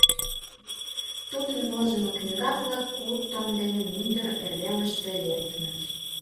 Тудын возымо книга-влак куд том дене Мӱндыр Эрвелыште лектыныт.